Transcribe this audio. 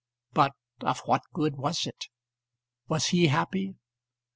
But of what good was it? Was he happy?